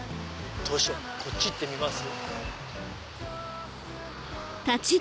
どうしようかこっち行ってみます？